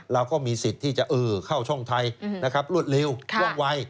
เราก็มีสิทธิ์ที่จะเข้าช่องไทยนะครับรวดเร็วว่องวัย